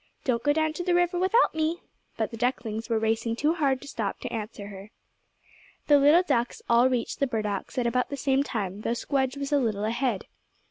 "Don't go down to the river without me." But the ducklings were racing too hard to stop to answer her. The little ducks all reached the burdocks at about the same time, though Squdge was a little ahead.